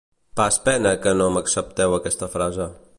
Pas pena que no m'accepteu aquesta frase.